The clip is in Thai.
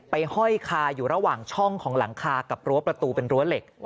ห้อยคาอยู่ระหว่างช่องของหลังคากับรั้วประตูเป็นรั้วเหล็ก